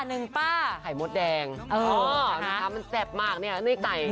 นึงป้าไข่มดแดงมันแจ็บมากนี่ไก่